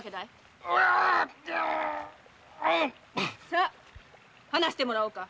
さ話してもらおうか！